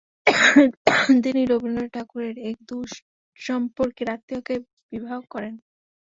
তিনি রবীন্দ্রনাথ ঠাকুরের এক দুঃসম্পর্কের আত্মীয়াকে বিবাহ করেন।